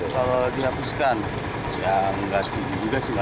kalau dihapuskan ya nggak setuju juga sih